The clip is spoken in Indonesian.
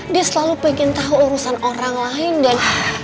dia selalu pengen tahu urusan orang lain dan